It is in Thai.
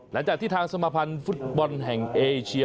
หลังจากที่ทางสมภัณฑ์ฟุตบอลแห่งเอเชีย